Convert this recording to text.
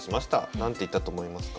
何て言ったと思いますか？